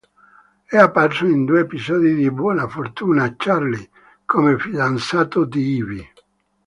È apparso in due episodi di "Buona fortuna Charlie", come fidanzato di Ivy.